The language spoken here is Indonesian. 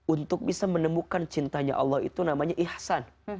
untuk bisa menemukan cintanya allah itu namanya ihsan